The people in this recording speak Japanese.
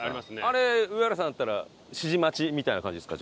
あれ上原さんだったら指示待ちみたいな感じですか？